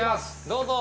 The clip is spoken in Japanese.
どうぞ！